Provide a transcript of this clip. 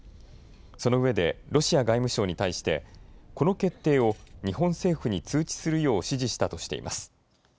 そのうえでロシア外務省に対してこの決定を日本政府に通知するよう指示したとしています。